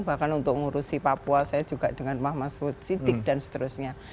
bahkan untuk ngurusi papua saya juga dengan mahfud siddiq dan seterusnya